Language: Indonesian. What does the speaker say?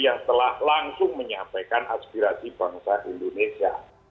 yang telah langsung menyampaikan aspirasi bangsa indonesia